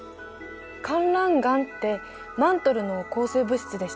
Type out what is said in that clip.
かんらん岩ってマントルの構成物質でしたよね。